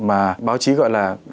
mà báo chí gọi là